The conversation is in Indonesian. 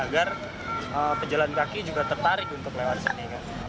jadi penjalan kaki juga tertarik untuk lewat sini